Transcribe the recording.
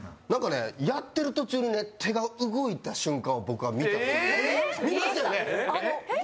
やってる途中に手が動いた瞬間を僕、見たんです。